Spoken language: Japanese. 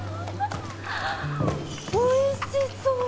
おいしそう！